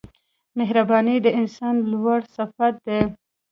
• مهرباني د انسان لوړ صفت دی.